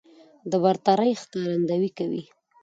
د برترۍ ښکارندويي کوي